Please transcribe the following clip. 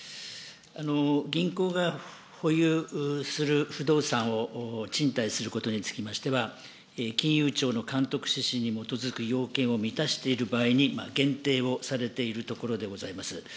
銀行が保有する不動産を賃貸することにつきましては、金融庁の監督指針に基づく要件を満たしている場合に、限定をされているところでございます。